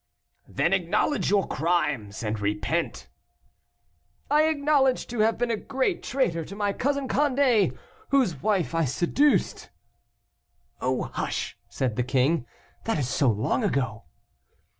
"Then acknowledge your crimes, and repent." "I acknowledge to have been a great traitor to my cousin Condé, whose wife I seduced." "Oh! hush," said the king, "that is so long ago."